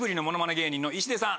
芸人の石出さん。